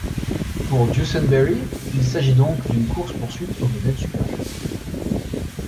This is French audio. Pour Duesenberry, il s'agit donc d'une course poursuite au modèle supérieur.